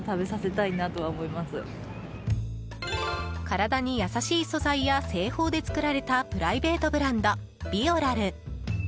体に優しい素材や製法で作られたプライベートブランド、ビオラル。